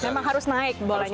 memang harus naik bolanya